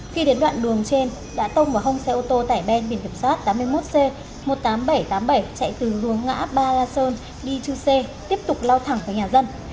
khi đến đoạn đường trên đã tông vào hông xe ô tô tải ben biển kiểm soát tám mươi một c một mươi tám nghìn bảy trăm tám mươi bảy chạy từ luồng ngã ba la sơn đi chư sê tiếp tục lao thẳng vào nhà dân